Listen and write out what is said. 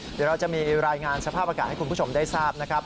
เดี๋ยวเราจะมีรายงานสภาพอากาศให้คุณผู้ชมได้ทราบนะครับ